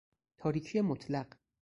تاریکی مطلق